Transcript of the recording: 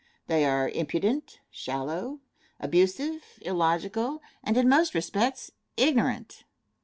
They are impudent, shallow, abusive, illogical, and in most respects, ignorant.